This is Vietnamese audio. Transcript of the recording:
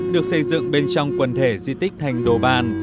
được xây dựng bên trong quần thể di tích thành đồ bàn